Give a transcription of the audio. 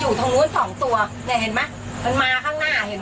เมื่อเริ่มเป็นร้านสีเห็นไหม